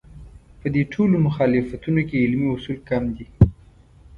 په دې ټولو مخالفتونو کې علمي اصول کم دي.